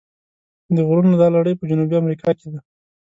د غرونو دا لړۍ په جنوبي امریکا کې ده.